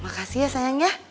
makasih ya sayang ya